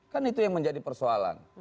kan itu yang menjadi persoalan